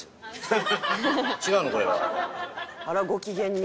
「あらご機嫌に」